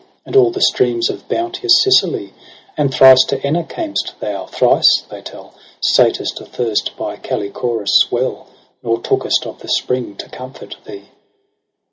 And all the streams of beauteous Sicily ? And thrice to Enna cam'st thou, thrice, they tell, Satest athirst by Callichorus' well. Nor tookest of the spring to comfort thee.